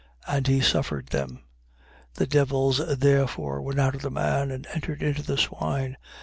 And he suffered them. 8:33. The devils therefore went out of the man and entered into the swine.